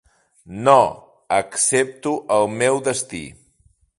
No, accepto el meu destí.